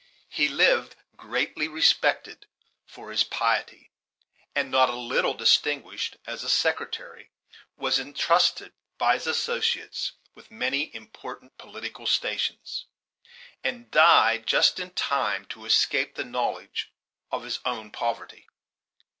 He lived greatly respected for his piety, and not a little distinguished as a sectary; was intrusted by his associates with many important political stations; and died just in time to escape the knowledge of his own poverty.